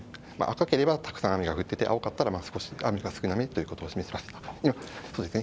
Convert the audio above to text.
赤ければたくさん雨が降ってて、青かったら少し雨が少なめということを表します。